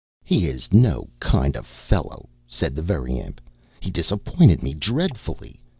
"He is no kind of a fellow," said the Very Imp. "He disappointed me dreadfully.